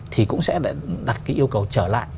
thì cũng sẽ đặt cái yêu cầu trở lại